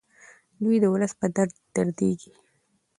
دی د ولس په درد دردیږي.